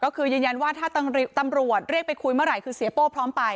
ก็คือยืนยันว่าถ้าตำรวจเรียกไปคุยเมื่อไหร่คือเสียโป้พร้อมไป